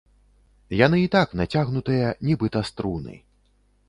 Яны і так нацягнутыя, нібыта струны.